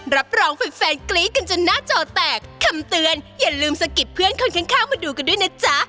รับรองแฟนกรี๊ดกันจนหน้าจอแตกคำเตือนอย่าลืมสะกิดเพื่อนคนข้างมาดูกันด้วยนะจ๊ะ